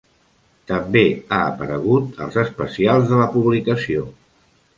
També ha aparegut als especials de la publicació.